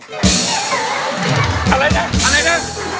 อะไรนะอะไรนะ